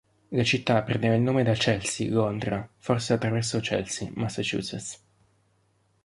La città prende il nome da Chelsea, Londra, forse attraverso Chelsea, Massachusetts.